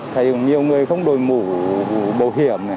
thì nhiều người không đổi mũ bảo hiểm